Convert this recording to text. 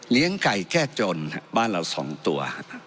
เลี้ยงไก่แก้จนบ้านเราสองตัว